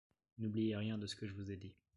N’oubliez rien de ce que je vous ai dit.